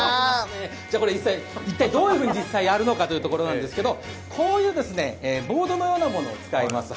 一体どういうふうに実際やるのかというところなんですけど、こういうボードのようなものを使います。